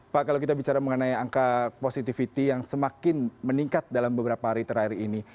pak kalau kita bicara mengenai angka positivity yang semakin meningkat dalam beberapa hari terakhir ini